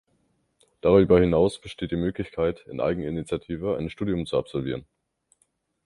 Darüber hinaus besteht die Möglichkeit in Eigeninitiative ein Studium zu absolvieren.